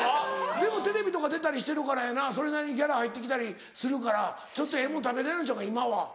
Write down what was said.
でもテレビとか出たりしてるからやなそれなりにギャラ入って来たりするからちょっとええもん食べれるんちゃうか今は。